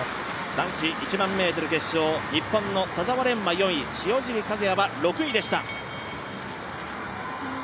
男子１００００ｍ決勝、日本の田澤廉は４位、塩尻和也は６位でした。